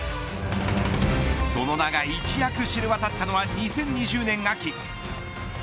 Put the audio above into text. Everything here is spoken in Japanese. その名が一躍知れ渡ったのは２０２０年秋。